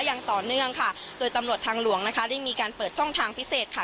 อย่างต่อเนื่องค่ะโดยตำรวจทางหลวงนะคะได้มีการเปิดช่องทางพิเศษค่ะ